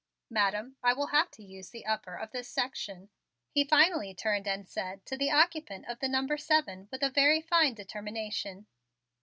"Madam, I will have to use the upper of this section," he finally turned and said to the occupant of the number of seven with a very fine determination.